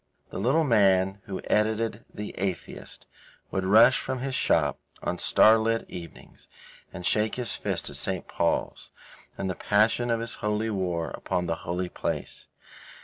The little man who edited The Atheist would rush from his shop on starlit evenings and shake his fist at St. Paul's in the passion of his holy war upon the holy place.